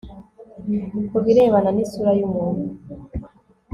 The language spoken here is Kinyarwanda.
ku birebana n isura y umuntu